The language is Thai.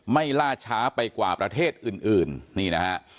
ล่าช้าไปกว่าประเทศอื่นนี่นะฮะ